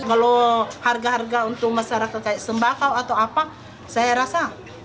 kalau harga harga untuk masyarakat kayak sembakau atau apa saya rasa